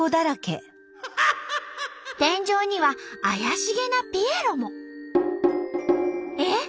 天井には怪しげなピエロも。えっ？